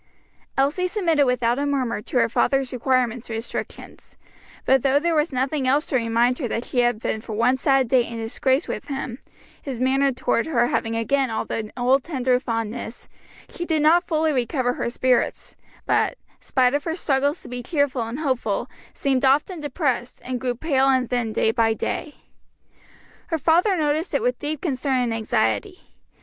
Elsie submitted without a murmur to her father's requirements and restrictions; but though there was nothing else to remind her that she had been for one sad day in disgrace with him his manner toward her having again all the old tender fondness she did not fully recover her spirits, but, spite of her struggles to be cheerful and hopeful, seemed often depressed, and grew pale and thin day by day. Her father noticed it with deep concern and anxiety.